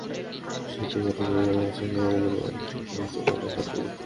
শিশুদের কথা বিবেচনা করে অসহায় নারী বন্দীদের আইনি সহায়তা দিচ্ছে কারা কর্তৃপক্ষ।